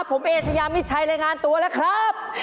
ผมเอชยามิดชัยรายงานตัวแล้วครับ